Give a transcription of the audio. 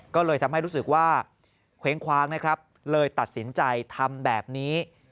ก็เลยทำให้รู้สึกว่าเคว้งคว้างนะครับเลยตัดสินใจทำแบบนี้